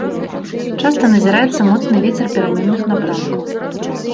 Часта назіраецца моцны вецер пераменных напрамкаў.